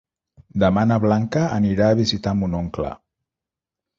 Demà na Blanca anirà a visitar mon oncle.